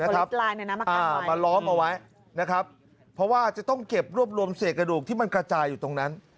มาล้อมเอาไว้นะครับเพราะว่าจะต้องเก็บรวบรวมเศษกระดูกที่มันกระจายอยู่ตรงนั้น